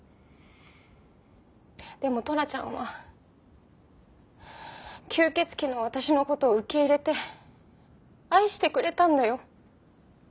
でもトラちゃんは吸血鬼の私の事を受け入れて愛してくれたんだよ。